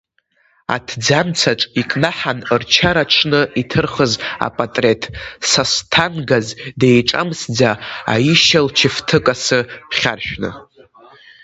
Аҭӡамцаҿ икнаҳан рчара аҽны иҭырхыз апатреҭ, Сасҭангаз деиҿамсӡа, Аишьа лчыфҭы-касы ԥхьаршәҭны.